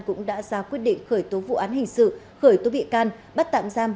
cũng đã ra quyết định khởi tố vụ án hình sự khởi tố bị can bắt tạm giam